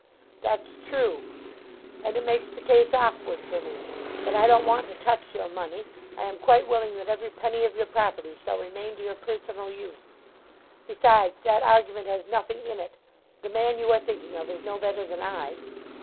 "That's true. And it makes the case awkward for me. But I don't want to touch your money. I am quite willing that every penny of your property shall remain to your personal use. Besides, that argument has nothing in it. The man you are thinking of is no better than I."